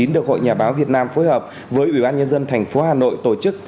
được hội nhà báo việt nam phối hợp với ủy ban nhân dân tp hà nội tổ chức